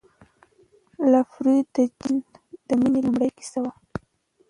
لفروی د جین د مینې لومړی کس و.